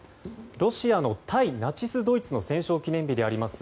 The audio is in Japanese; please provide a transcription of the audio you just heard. ロシアの対ナチスドイツ戦勝記念日であります